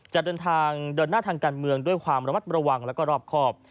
จะเดินทางเดินหน้าทางการเมืองด้วยความระมัดระวังแล้วก็รอบครอบ